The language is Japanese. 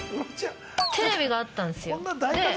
テレビがあったんすよ。